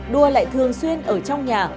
đua lại thường xuyên ở trong nhà